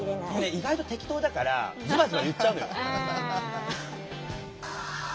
意外と適当だからズバズバ言っちゃうのよ。